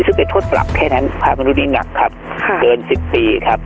ซึ่งเป็นโทษปรับแค่นั้นพระมนุษย์นี้หนักครับค่ะเกินสิบปีครับ